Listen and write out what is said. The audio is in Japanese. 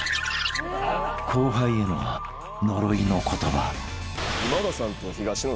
［後輩への呪いの言葉］